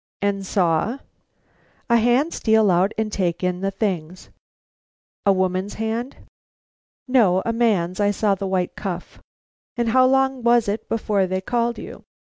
"And saw " "A hand steal out and take in the things." "A woman's hand?" "No; a man's. I saw the white cuff." "And how long was it before they called you?"